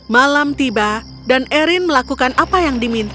malam tiba dan erin melakukan apa yang diminta